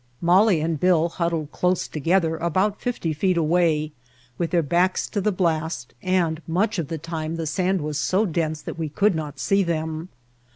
Molly and Bill huddled close to gether about fifty feet away with their backs to the blast, and much of the time the sand was so dense that we could not see them.